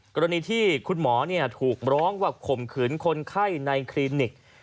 กรณีที่คุณหมอถูกร้องว่าข่มขืนคนไข้ในคลินิก